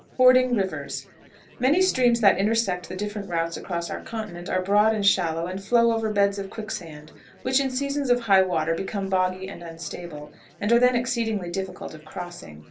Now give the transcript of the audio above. FORDING RIVERS. Many streams that intersect the different routes across our continent are broad and shallow, and flow over beds of quicksand, which, in seasons of high water, become boggy and unstable, and are then exceedingly difficult of crossing.